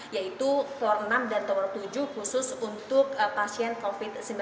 yaitu tower enam dan tower tujuh khusus untuk pasien covid sembilan belas